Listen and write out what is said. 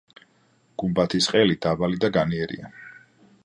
გუმბათის ყელი დაბალი და განიერია.